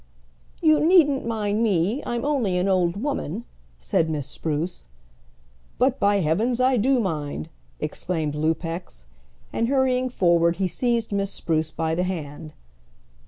"You needn't mind me; I'm only an old woman," said Miss Spruce. "But, by heavens, I do mind!" exclaimed Lupex; and hurrying forward he seized Miss Spruce by the hand.